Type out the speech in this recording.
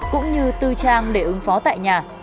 cũng như tư trang để ứng phó tại nhà